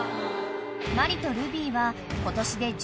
［マリとルビーは今年で１０歳］